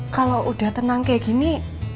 kalau udah tenang kayak gini